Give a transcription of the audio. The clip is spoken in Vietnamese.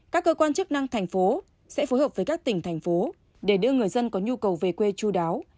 các cơ quan chức năng thành phố sẽ phối hợp với các tỉnh thành phố để đưa người dân có nhu cầu về quê chú đáo